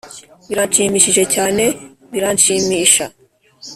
biranshimishije cyane, biranshimisha